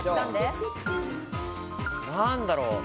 何だろう？